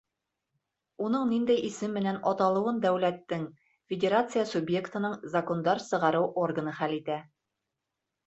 Уның ниндәй исем менән аталыуын дәүләттең, Федерация субъектының закондар сығарыу органы хәл итә.